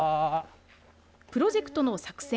プロジェクトの作戦